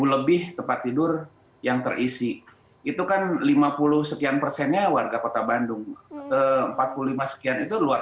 lebih tempat tidur yang terisi itu kan lima puluh sekian persennya warga kota bandung empat puluh lima sekian itu luar